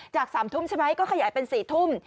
จาก๓ทุ่มใช่ไหมก็ขยายเป็น๔ทุ่ม